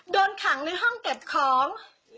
โดนขังในห้องเก็บของ